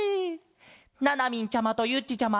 ななみんちゃまとゆっちちゃま！